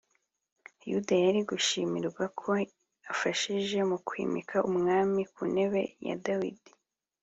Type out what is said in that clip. yuda yari gushimirwa ko afashije mu kwimika umwami ku ntebe ya dawidi